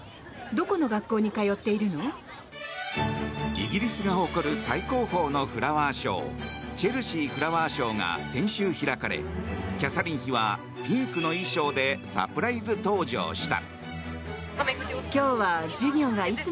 イギリスが誇る最高峰のフラワーショーチェルシー・フラワー・ショーが先週開かれキャサリン妃はピンクの衣装でサプライズ登場した。